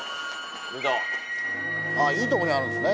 あぁいいとこにあるんすね。